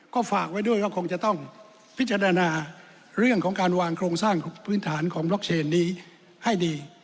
ก็ฝากไว้ด้วยก็คงจะต้องพิจารณาเรื่องของการวางโครงสร้างพื้นฐานของบล็อกเชนนี้ให้ดี